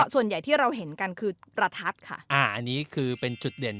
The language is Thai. ส่วนใหญ่ที่เราเห็นกันคือประทัดค่ะอ่าอันนี้คือเป็นจุดเด่น